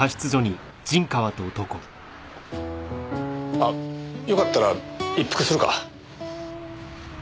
あよかったら一服するか？